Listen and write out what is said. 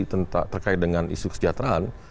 terkait dengan isu kesejahteraan